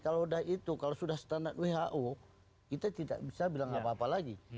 kalau sudah itu kalau sudah standar who kita tidak bisa bilang apa apa lagi